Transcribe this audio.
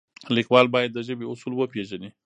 لیکوال باید د ژبې اصول وپیژني.